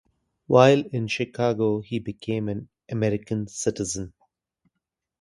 While in Chicago he became an American citizen.